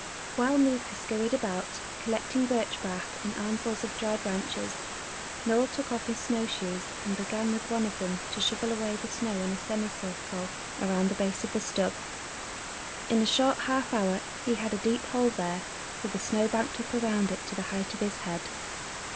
While Mooka scurried about, collecting birch bark and armfuls of dry branches, Noel took off his snow shoes and began with one of them to shovel away the snow in a semicircle around the base of the stub. In a short half hour he had a deep hole there, with the snow banked up around it to the height of his head.